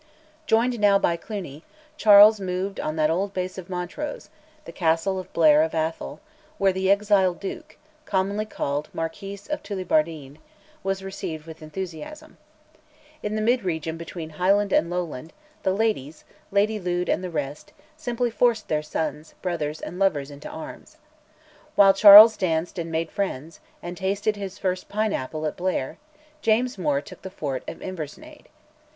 Joined now by Cluny, Charles moved on that old base of Montrose, the Castle of Blair of Atholl, where the exiled duke (commonly called Marquis of Tullibardine) was received with enthusiasm. In the mid region between Highland and Lowland, the ladies, Lady Lude and the rest, simply forced their sons, brothers, and lovers into arms. While Charles danced and made friends, and tasted his first pine apple at Blair, James Mor took the fort of Inversnaid.